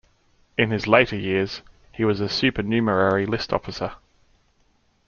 In his later years he was a supernumerary list officer.